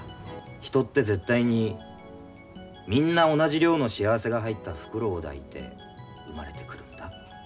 人って絶対にみんな同じ量の幸せが入った袋を抱いて生まれてくるんだって。